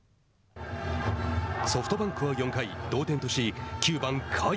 ソフトバンクは４回同点とし９番甲斐。